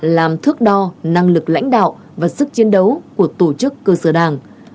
làm thước đo năng lực lãnh đạo và sức chiến đấu của tổ chức cơ sở đảng